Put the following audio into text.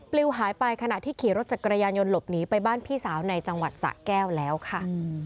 ลิวหายไปขณะที่ขี่รถจักรยานยนต์หลบหนีไปบ้านพี่สาวในจังหวัดสะแก้วแล้วค่ะ